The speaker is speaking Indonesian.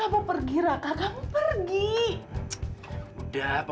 aku gak berhasil nolongin mama